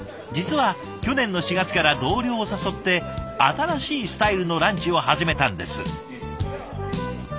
実は去年の４月から同僚を誘って新しいスタイルのランチを始めたんです。